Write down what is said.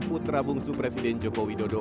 putra bungsu presiden jokowi dodo